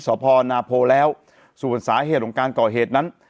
สพนาโพแล้วส่วนสาเหตุของการก่อเหตุนั้น